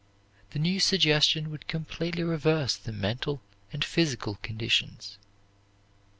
The new suggestion would completely reverse the mental and physical conditions.